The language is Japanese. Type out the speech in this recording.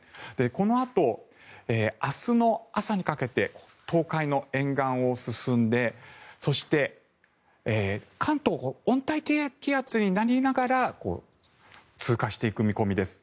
このあと、明日の朝にかけて東海の沿岸を進んでそして関東、温帯低気圧になりながら通過していく見込みです。